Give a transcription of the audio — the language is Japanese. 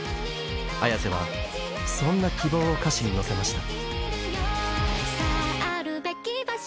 Ａｙａｓｅはそんな希望を歌詞に乗せました。